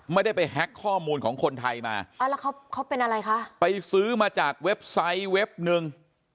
ไม่ได้ไปแฮคข้อมูลของคนไทยมาไปซื้อมาจากเว็บไซต์เว็บหนึ่ง